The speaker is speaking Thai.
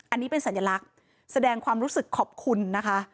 อันนี้เป็นสัญลักษณ์แสดงความรู้สึกขอบคุณนะคะ